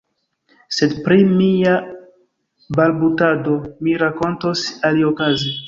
Sed pri mia balbutado mi rakontos aliokaze.